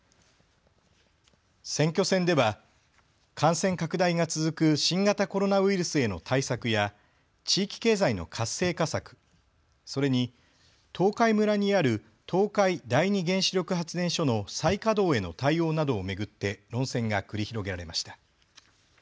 選挙戦では、感染拡大が続く新型コロナウイルスへの対策や地域経済の活性化策、それに東海村にある東海第二原子力発電所の再稼働への対応などを巡って論戦が繰り広げられました。